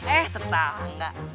eh tetap enggak